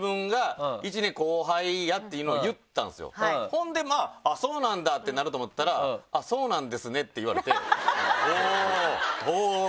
ほんでまぁ「そうなんだ」ってなると思ったら「そうなんですね」って言われておぉ。